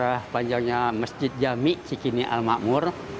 sejarah panjangnya masjid jami cikini al ma'mur